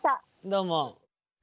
どうも。